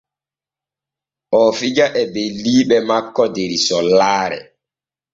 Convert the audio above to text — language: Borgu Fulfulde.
O fija e ɓeldiiɓe makko der sollaare.